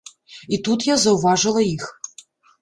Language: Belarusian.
І тут я заўважыла іх.